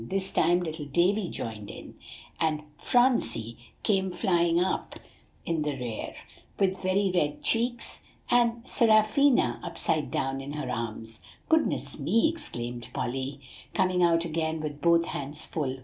This time little Davie joined in; and Phronsie came flying up in the rear, with very red cheeks and Seraphina upside down in her arms. "Goodness me!" exclaimed Polly, coming out again with both hands full.